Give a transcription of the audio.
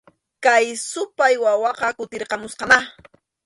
Kay supay wawaqa kutirqamusqamá